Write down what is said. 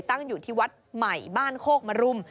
ตั้งอยู่ที่วัดใหม่บ้านโคกมรุม